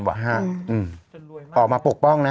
จนรวยมากออกมาปกป้องนะ